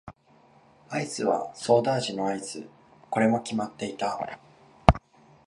アイスはソーダ味のアイス。これも決まっていた。